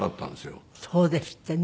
そうですってね。